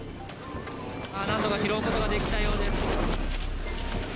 なんとか拾うことができたようです。